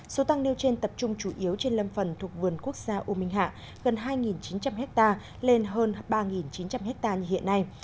số tăng nêu trên tập trung chủ yếu trên lâm phần thuộc vườn quốc gia u minh hạ gần hai chín trăm linh hectare lên hơn ba chín trăm linh hectare như hiện nay